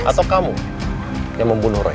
atau kamu yang membunuh rey